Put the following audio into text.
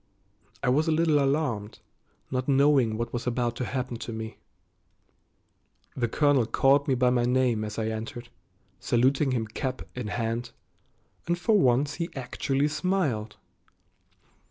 I was a little alarmed, not knowing what was about to happen to me. The colonel called me by name as I entered, saluting him cap in hand, and for once he actually smiled.